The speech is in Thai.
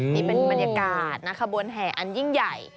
นี่เป็นบรรยากาศขบวนแห่อันยิ่งใหญ่